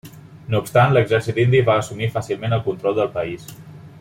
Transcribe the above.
No obstant l'exèrcit indi va assumir fàcilment el control del país.